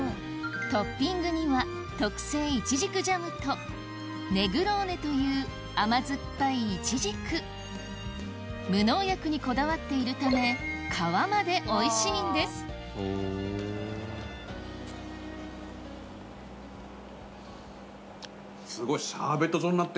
トッピングには特製いちじくジャムとネグローネという甘酸っぱいいちじく無農薬にこだわっているため皮までおいしいんですすごい。